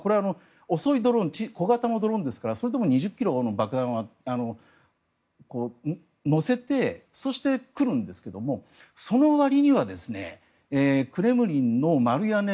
遅いドローン小型のドローンですからそれでも２０ｋｇの爆弾を載せてそして、来るんですけどそのわりにはクレムリンの丸屋根